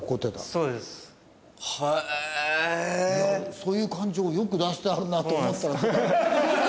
そういう感じをよく出してあるなと思ったら。